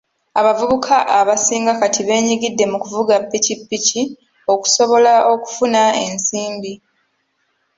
Abavubuka abasinga kati beenyigidde mu kuvuga ppikipiki okusobola okufuna ensimbi.